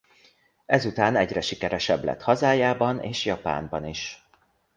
Ezután egyre sikeresebb lett hazájában és Japánban is.